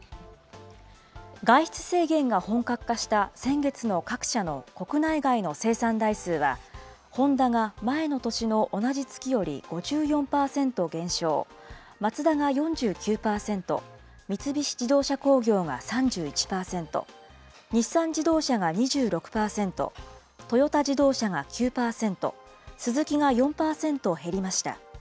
外出制限が本格化した先月の各社の国内外の生産台数は、ホンダが前の年の同じ月より５４％減少、マツダが４９％、三菱自動車工業が３１％、日産自動車が２６％、トヨタ自動車が９％、スズキが４％減りました。